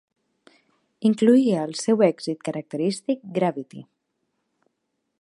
Incloïa el seu èxit característic, "Gravity".